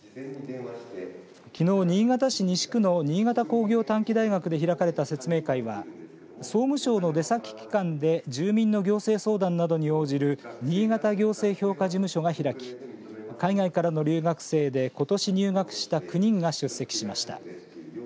きのう、新潟市西区の新潟工業短期大学で開かれた説明会は、総務省の出先機関で住民の行政相談などに応じる新潟行政評価事務所が開き海外からの留学生でことし入学した９人が出席しました。